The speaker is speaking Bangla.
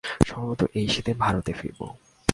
সম্ভবত এই শীতে ভারতে ফিরব।